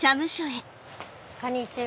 こんにちは。